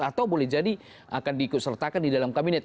atau boleh jadi akan diikut sertakan di dalam kabinet